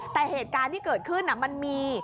แต่เหตุการณ์ที่เกิดขึ้นมันมี